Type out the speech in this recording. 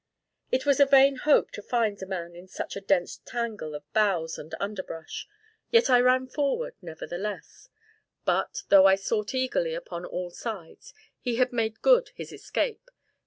It was a vain hope to find a man in such a dense tangle of boughs and underbrush, yet I ran forward, nevertheless; but, though I sought eagerly upon all sides, he had made good his escape.